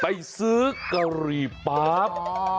ไปซื้อกะหรี่ปั๊บ